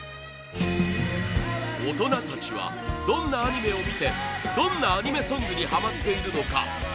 大人たちはどんなアニメを見てどんなアニメソングにハマっているのか？